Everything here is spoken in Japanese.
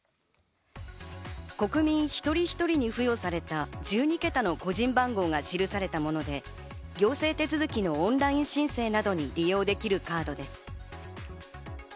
国民一人一人に付与された１２桁の個人番号が記されたもので、行政手続きのオンライン申請などに利用できるカードです。